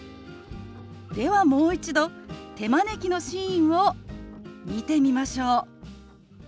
ではもう一度手招きのシーンを見てみましょう。